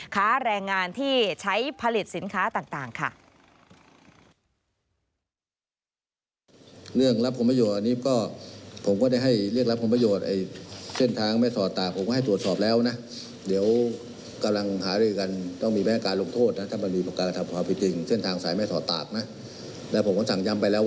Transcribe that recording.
ค้าแรงงานที่ใช้ผลิตสินค้าต่าง